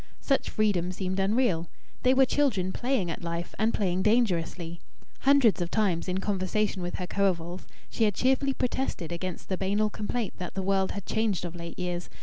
Such freedom seemed unreal. They were children playing at life, and playing dangerously. Hundreds of times, in conversation with her coevals, she had cheerfully protested against the banal complaint that the world had changed of late years.